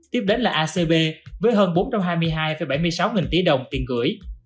tiếp đến là acv với hơn bốn trăm hai mươi hai bảy mươi sáu nghìn tỷ đồng tiền gửi